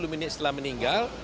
tujuh puluh menit setelah meninggal